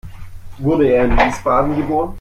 Wurde er in Wiesbaden geboren?